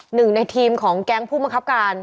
หนึ่งในทีมของแก๊งผู้บังคับการ